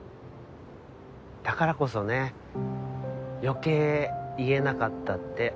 だからこそね余計言えなかったって。